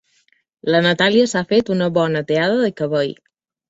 La Natàlia s'ha fet una bona tallada de cabell.